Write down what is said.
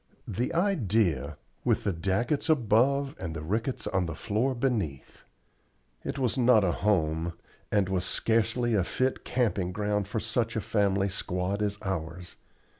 The idea! with the Daggetts above and the Ricketts on the floor beneath. It was not a home, and was scarcely a fit camping ground for such a family squad as ours.